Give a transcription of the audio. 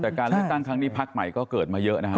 แต่การเลือกตั้งครั้งนี้พักใหม่ก็เกิดมาเยอะนะครับ